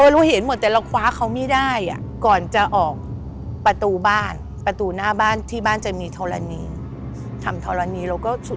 แล้วเด็กแรงเยอะมาก